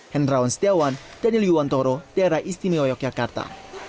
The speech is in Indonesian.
hendrawan setiawan daniel yuwantoro daerah istimewa yogyakarta